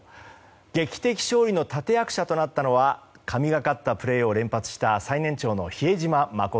劇的勝利の立役者となったのは神がかったプレーを連発した最年長の比江島慎。